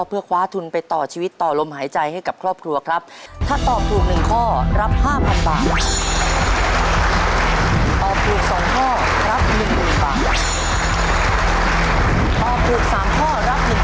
รับทุ่งไปต่อชีวิตสูงสุดทุ่ง